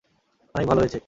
অনেক ভালো হয়েছে!